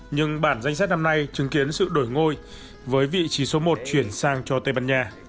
nhưng bản danh sách năm nay chứng kiến sự đổi ngôi với vị trí số một chuyển sang cho tây ban nha